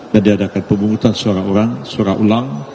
dan diadakan pemimutan suara ulang